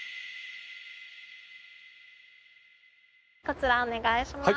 こちらお願いします。